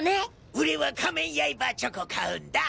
俺は仮面ヤイバーチョコ買うんだ。